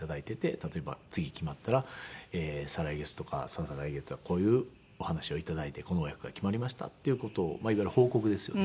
例えば次決まったら「再来月とかささ来月はこういうお話を頂いてこのお役が決まりました」っていう事をいわゆる報告ですよね。